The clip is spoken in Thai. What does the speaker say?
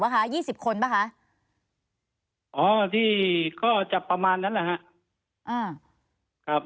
ป่ะคะยี่สิบคนป่ะคะอ๋อที่ก็จะประมาณนั้นแหละฮะอ่า